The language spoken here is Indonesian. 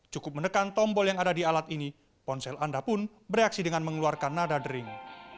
cukup menekan tombol yang ada di alat ini ponsel anda pun bereaksi dengan mengeluarkan nada dering